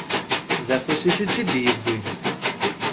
D afus-is i tt-id-yewwin.